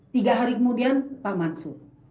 tiga hari kemudian pak mansu